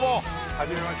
はじめまして。